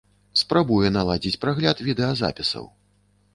Спрабуе наладзіць прагляд відэазапісаў.